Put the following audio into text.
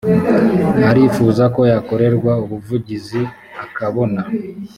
arifuza ko yakorerwa ubuvugizi akabona